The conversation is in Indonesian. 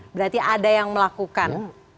berarti ada yang melakukan